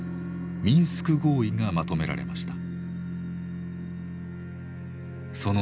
ミンスク合意がまとめられました。